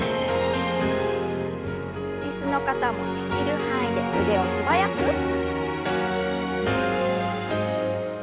椅子の方もできる範囲で腕を素早く。